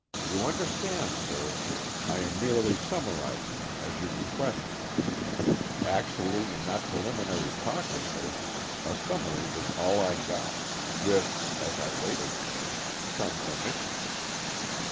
You understand, sir, I am merely summarizing, as you requested. Actually in that preliminary talk with her, a summary was all I got with, as I later learned, some omissions.